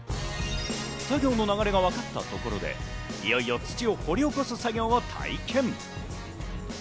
作業の流れがわかったところで、いよいよ土を掘り起こす作業を体験。